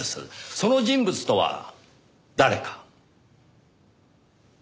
その人物とは誰か？